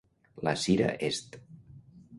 La Sira est